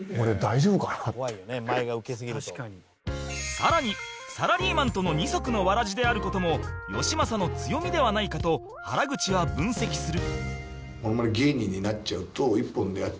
さらにサラリーマンとの二足のわらじである事もよしまさの強みではないかと原口は分析する